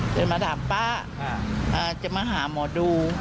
เดินมาถามป้าจะมาหาหมอดู